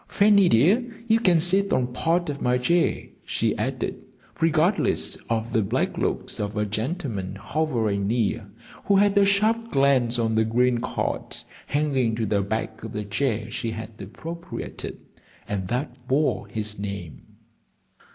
Fanny dear, you can sit on part of my chair," she added, regardless of the black looks of a gentleman hovering near, who had a sharp glance on the green card hanging to the back of the chair she had appropriated and that bore his name.